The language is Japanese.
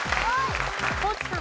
地さん。